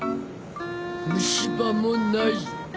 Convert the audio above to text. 虫歯もない。